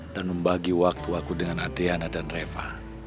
dan membagi waktu aku dengan adriana dan reva